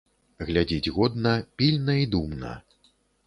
Глядзіць годна, пільна і думна.